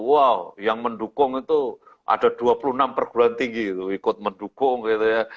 wow yang mendukung itu ada dua puluh enam perguruan tinggi itu ikut mendukung gitu ya